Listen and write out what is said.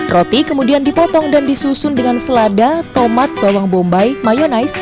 roti kemudian dipotong dan disusun dengan selada tomat bawang bombay mayonaise